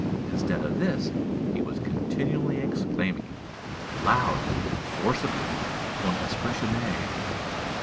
Instead of this, he was continually exclaiming: "Loud! forcibly! _con espressione!